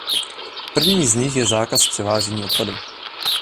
První z nich je zákaz převážení odpadu.